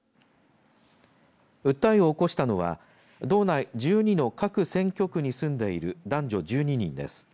訴えを起こしたのは道内１２の各選挙区に住んでいる男女１２人です。